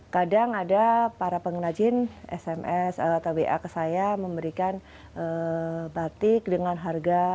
kadang ada para pengrajin sms atau wa ke saya memberikan batik dengan harga